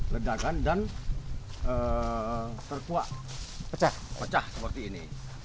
ledakan dan terkuak pecah seperti ini